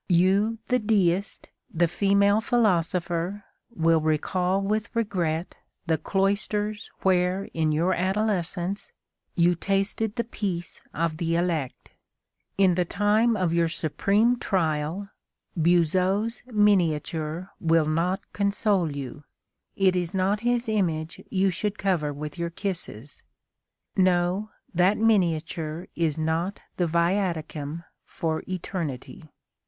You, the deist, the female philosopher, will recall with regret the cloisters where in your adolescence you tasted the peace of the elect. In the time of your supreme trial Buzot's miniature will not console you; it is not his image you should cover with your kisses. No; that miniature is not the viaticum for eternity.